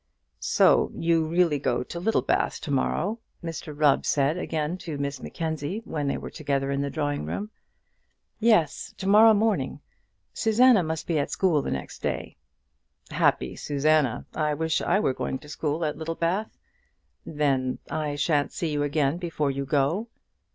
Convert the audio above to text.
"So you really go to Littlebath to morrow," Mr Rubb said to Miss Mackenzie, when they were again together in the drawing room. "Yes, to morrow morning. Susanna must be at school the next day." "Happy Susanna! I wish I were going to school at Littlebath. Then I shan't see you again before you go."